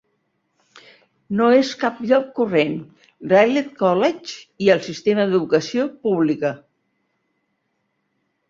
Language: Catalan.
No és cap lloc corrent: Radley College i el sistema d'educació pública.